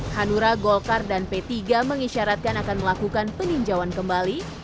hanura golkar dan p tiga mengisyaratkan akan melakukan peninjauan kembali